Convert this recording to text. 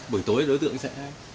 buổi tối đối tượng sẽ